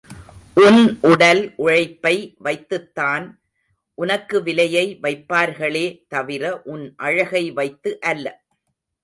உன் உடல் உழைப்பை வைத்துத்தான் உனக்கு விலையை வைப்பார்களே தவிர உன் அழகை வைத்து அல்ல.